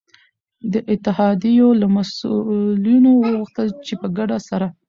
د اتحادیو له مسؤلینو وغوښتل چي په ګډه سره